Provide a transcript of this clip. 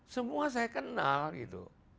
semua saya kenal gitu